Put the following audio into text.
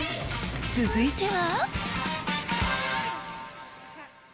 続いては。